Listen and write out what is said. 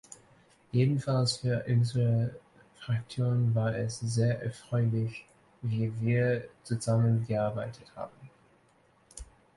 Jedenfalls für unsere Fraktion war es sehr erfreulich, wie wir zusammengearbeitet haben.